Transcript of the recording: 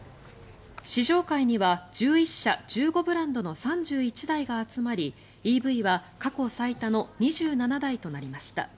試乗会には１１社１５ブランドの３１台が集まりＥＶは過去最多の２７台となりました。